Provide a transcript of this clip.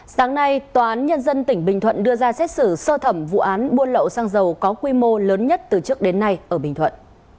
sáng nay tòa nhân dân tp hcm đưa ra xét xử sơ thẩm vụ án buôn lậu xăng dầu có quy mô lớn nhất từ trước đến nay ở bình thuận